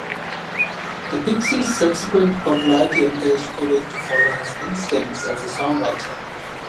The Pixies' subsequent popularity encouraged Cobain to follow his instincts as a songwriter.